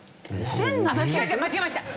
間違えました！